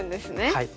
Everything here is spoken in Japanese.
はい。